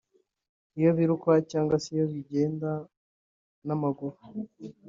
iyo biruka cyangwa se iyo bagenda n’amaguru